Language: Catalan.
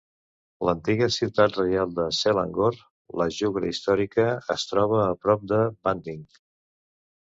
L'antiga ciutat reial de Selangor, la Jugra històrica, es troba a prop de Banting.